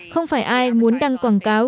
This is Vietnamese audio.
không phải ai muốn đăng quảng cáo